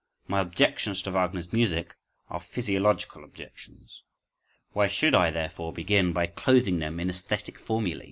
My objections to Wagner's music are physiological objections. Why should I therefore begin by clothing them in æsthetic formulæ?